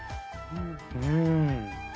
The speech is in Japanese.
うん。